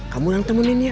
kamu yang temenin ya